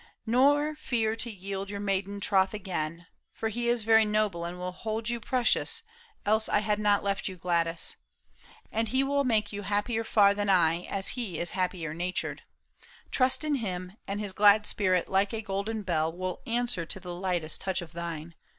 Nor fear to yield your maiden troth again, For he is very noble and will hold You precious, else I had not left you, Gladys. And he will make you happier far than I, As he is happier natured. Trust in him. And his glad spirit like a golden bell Will answer to the lightest touch of thine.